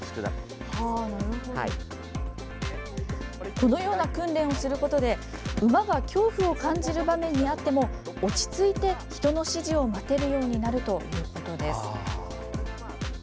このような訓練をすることで馬が恐怖を感じる場面にあっても落ち着いて人の指示を待てるようになるということです。